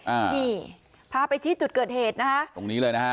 อ่านี่พาไปชี้จุดเกิดเหตุนะฮะตรงนี้เลยนะฮะ